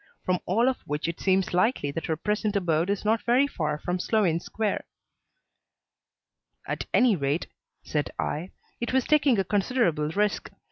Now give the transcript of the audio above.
From all of which it seems likely that her present abode is not very far from Sloane Square." "At any rate," said I, "it was taking a considerable risk.